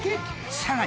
［さらに］